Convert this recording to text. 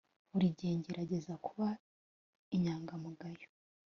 Buri gihe ngerageza kuba inyangamugayo